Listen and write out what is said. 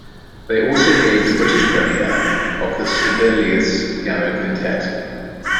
They also gave the British premiere of the Sibelius piano quintet.